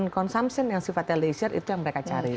consumption yang sifatnya leisure itu yang mereka cari